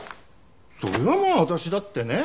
それはまあ私だってね